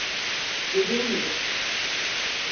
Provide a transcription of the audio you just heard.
Dediğin gibi.